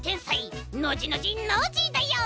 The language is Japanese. ノジノジノージーだよ！